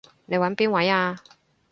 你搵邊位啊？